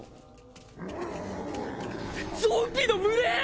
ゾンビの群れ！